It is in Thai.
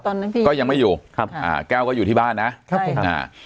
น้องพี่ก็ยังไม่อยู่ครับอ่าแก้วก็อยู่ที่บ้านนะครับผมอ่า